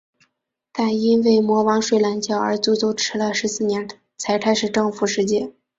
但因为魔王睡懒觉而足足迟了十四年才开始征服世界。